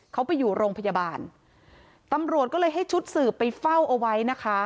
เขาไปอยู่โรงพยาบาลตำรวจก็เลยให้ชุดสืบไปเฝ้าเอาไว้นะคะ